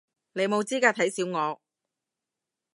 你冇資格睇小我